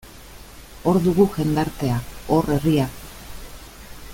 Hor dugu jendartea, hor herria.